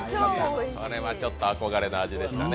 これはちょっと憧れの味でしたね。